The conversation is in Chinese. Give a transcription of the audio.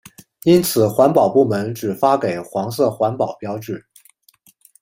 因此环保部门只发给黄色环保标志。